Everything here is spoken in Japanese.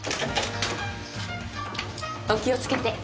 お気をつけて。